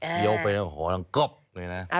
เคี้ยวไปโอ้โหนั่งก๊อบเลยนะ